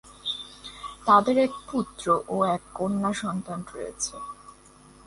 তাদের এক পুত্র ও এক কন্যা সন্তান রয়েছে।